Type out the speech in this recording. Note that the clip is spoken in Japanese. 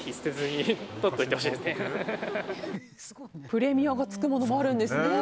プレミアがつくものもあるんですね。